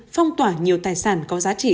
phong tỏa nhiều tài sản có giá trị